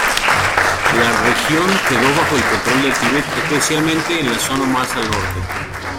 La región quedó bajo control del Tíbet, especialmente en la zonas más al norte.